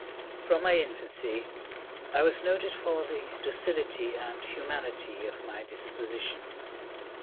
From my infancy I was noted for the docility and humanity of my disposition.